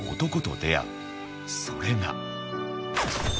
それが